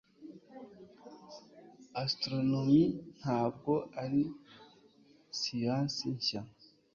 Astronomie ntabwo ari siyansi nshya.